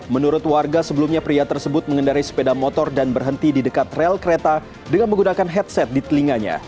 menurut warga sebelumnya pria tersebut mengendari sepeda motor dan berhenti di dekat rel kereta dengan menggunakan headset di telinganya